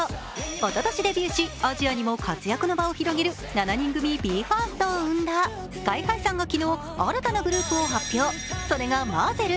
おととしデビューし、アジアにも活躍の場を生んだ７人組ＢＥ：ＦＩＲＳＴを生んだＳＫＹ−ＨＩさんが昨日新たなグループを発表それがＭＡＺＺＥＬ。